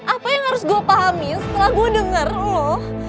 apa yang harus gue pahami setelah gue denger lo